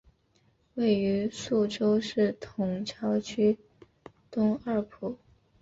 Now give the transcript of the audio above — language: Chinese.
位于宿州市埇桥区东二铺。